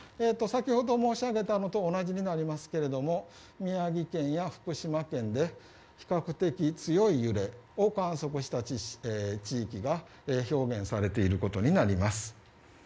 先ほど申し上げたのと同じになりますが宮城県や福島県で比較的強い揺れを観測した地域が表現されていることになります。